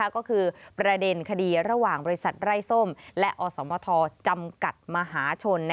ก็คือประเด็นคดีระหว่างบริษัทไร้ส้มและอสมทจำกัดมหาชน